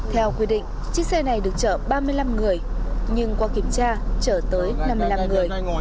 theo quy định chiếc xe này được chở ba mươi năm người nhưng qua kiểm tra chở tới năm mươi năm người